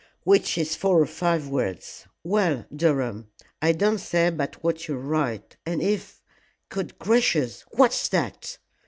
"Which is four or five words. Well, Durham, I don't say but what you are right, and if Good gracious, what's that?"